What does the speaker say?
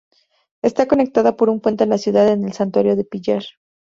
Está conectada por un puente a la ciudad en el Santuario del Pillar.